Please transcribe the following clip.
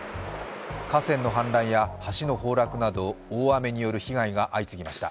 河川の氾濫や橋の崩落など大雨による被害が相次ぎました。